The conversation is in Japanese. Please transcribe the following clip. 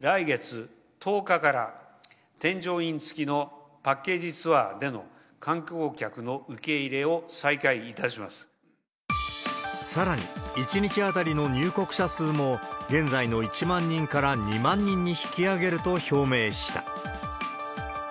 来月１０日から、添乗員付きのパッケージツアーでの観光客の受け入れを再開いたしさらに、１日当たりの入国者数も、現在の１万人から２万人に引き上げると表明した。